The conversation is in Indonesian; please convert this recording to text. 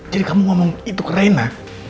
jadi kamu ngomong itu ke reina